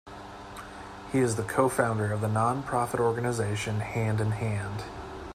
He is the co-founder of the non-profit organization Hand in Hand.